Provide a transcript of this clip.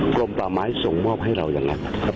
กรมป่าไม้ส่งมอบให้เราอย่างนั้น